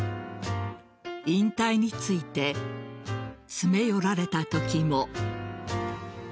引退について詰め寄られたときも。